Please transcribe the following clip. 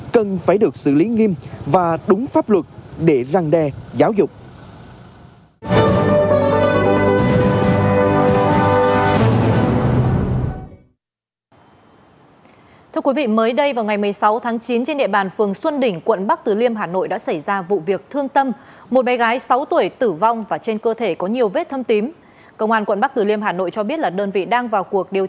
cần phải được xử lý nghiêm và đúng pháp luật để răng đe giáo dục